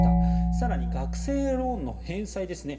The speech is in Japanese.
更に学生ローンの返済ですね。